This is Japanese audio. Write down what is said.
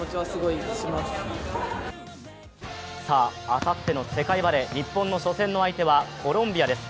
あさっての世界バレー、日本の初戦の相手はコロンビアです。